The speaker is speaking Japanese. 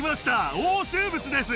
押収物です。